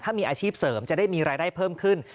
ถ้ามีอาชีพเสริมจะได้มีรายได้เพิ่มขึ้น